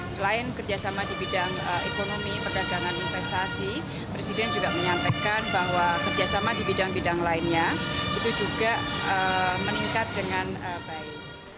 selain kerjasama di bidang ekonomi perdagangan investasi presiden juga menyampaikan bahwa kerjasama di bidang bidang lainnya itu juga meningkat dengan baik